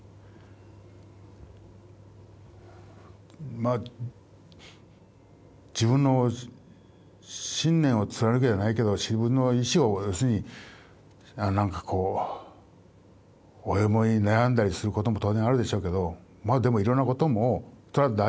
まあ自分の信念を貫けじゃないけど自分の意志を要するになんかこう思い悩んだりすることも当然あるでしょうけどまあでもいろんなこともそれは大事なこともある